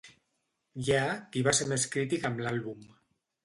Hi ha qui va ser més crític amb l'àlbum.